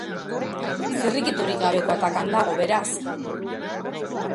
Zirrikiturik gabeko atakan dago, beraz.